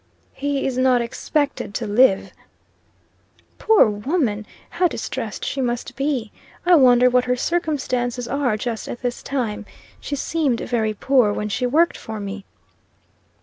"He is not expected to live." "Poor woman! How distressed she must be! I wonder what her circumstances are just at this time. She seemed very poor when she worked for me."